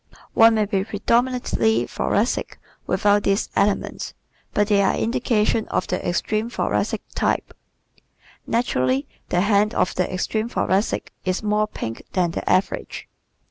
One may be predominantly Thoracic without these elements but they are indications of the extreme Thoracic type. Naturally the hand of the extreme Thoracic is more pink than the average.